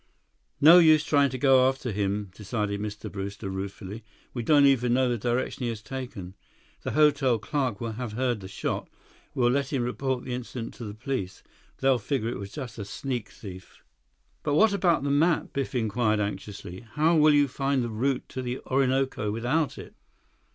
"No use trying to go after him," decided Mr. Brewster ruefully. "We don't even know the direction he has taken. The hotel clerk will have heard the shot. We'll let him report the incident to the police. They'll figure it was just a sneak thief." "But what about the map?" Biff inquired anxiously. "How will you find the route to the Orinoco without it?"